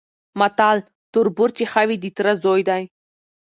متل: تربور چي ښه وي د تره زوی دی؛